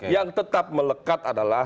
yang tetap melekat adalah